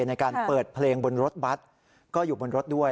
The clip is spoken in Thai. ในการเปิดเพลงบนรถบัตรก็อยู่บนรถด้วย